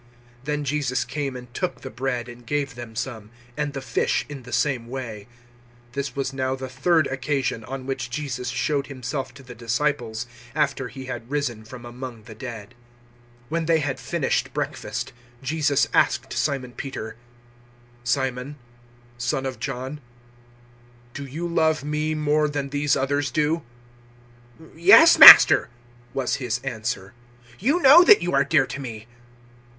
021:013 Then Jesus came and took the bread and gave them some, and the fish in the same way. 021:014 This was now the third occasion on which Jesus showed Himself to the disciples after He had risen from among the dead. 021:015 When they had finished breakfast, Jesus asked Simon Peter, "Simon, son of John, do you love me more than these others do?" "Yes, Master," was his answer; "you know that you are dear to me."